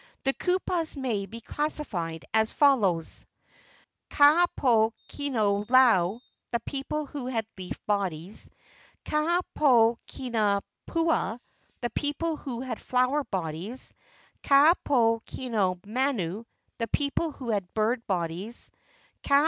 The kupuas may be classified as follows: Ka poe kino lau (the people who had leaf bodies). """ pua (the people who had flower bodies). """ manu (the people who had bird bodies).